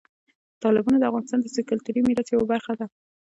تالابونه د افغانستان د کلتوري میراث یوه برخه ده.